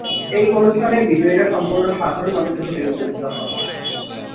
এই অনুষ্ঠানে বিজয়ীরা সম্পূর্ণ সাধারণ মানুষের ভোটে নির্বাচিত হন।